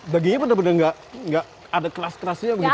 dagingnya benar benar nggak ada keras kerasnya begitu